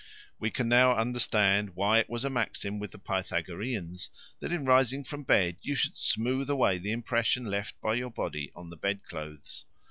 We can now understand why it was a maxim with the Pythagoreans that in rising from bed you should smooth away the impression left by your body on the bed clothes.